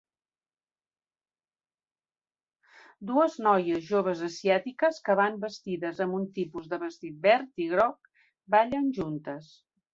Dues noies joves asiàtiques que van vestides amb un tipus de vestit verd i groc ballen juntes.